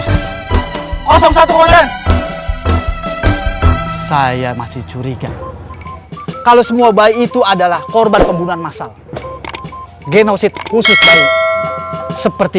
saya masih curiga kalau semua bayi itu adalah korban pembunuhan massal genoside khusus seperti